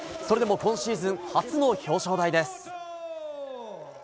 それでも今シーズン初の表彰台です。